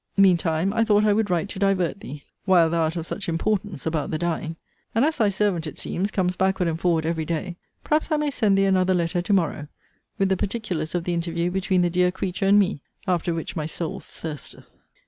Mean time, I thought I would write to divert thee, while thou art of such importance about the dying; and as thy servant, it seems, comes backward and forward every day, perhaps I may send thee another letter to morrow, with the particulars of the interview between the dear creature and me; after which my soul thirsteth.